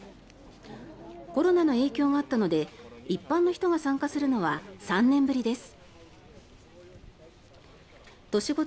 コロナの影響があったので一般の人が参加するのは３年ぶりです。